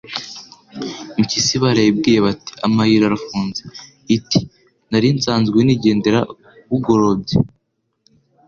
Impyisi barayibwiye bati amayira arafunze, iti: nari nsanzwe nigendera bugorobye